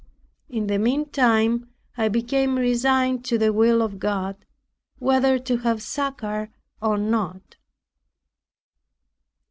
In the meantime I became resigned to the will of God, whether to have succor or not.